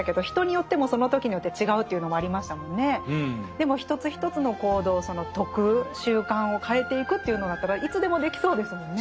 でも一つ一つの行動その徳習慣を変えていくというのだったらいつでもできそうですもんね。